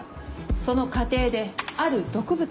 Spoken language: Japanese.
その過程である毒物が生まれた。